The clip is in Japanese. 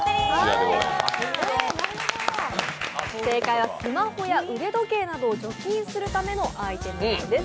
正解はスマホや腕時計などを除菌するためのアイテムなんです。